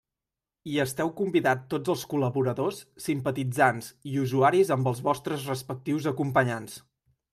Hi esteu convidats tots els col·laboradors, simpatitzants i usuaris amb els vostres respectius acompanyants.